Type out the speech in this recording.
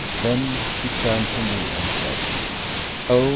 Then she turned to me and said: "Oh!